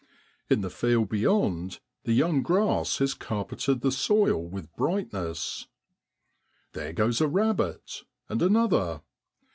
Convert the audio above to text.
In the field beyond, the young grass has carpeted the soil with brightness. There goes a rabbit, and another.